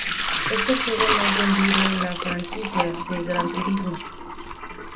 Es el juego más vendido en la franquicia de "Gran Turismo".